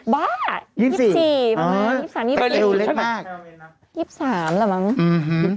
บ้า๒๔อ่ออื้อแต่เอวเล็กมากอือ๒๓ล่ะมั้ง